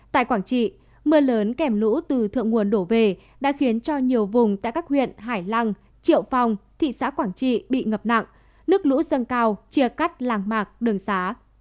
tại quảng trị mưa lớn kèm lũ từ thượng nguồn đổ về đã khiến cho nhiều vùng tại các huyện hải lăng triệu phong thị xã quảng trị bị ngập nặng nước lũ dâng cao chia cắt làng mạc đường xá